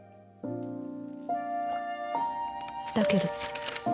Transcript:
だけど。